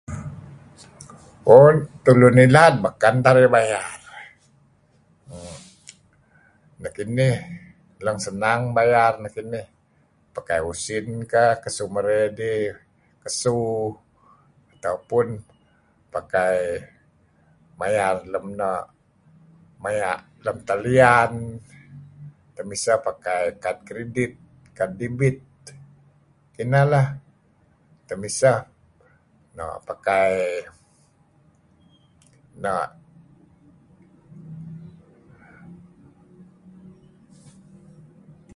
Oh tulu nidad baken tah narih bayar. Nekinih lang senang bayar kinih. Pakai usin kah ngesu marey idih ngesu atau pun pakai mayar lem noh maya' lem talian. Temiseh pakai Kredit Kad, Kad Debit. Kinah lah. Temisah pakai noh.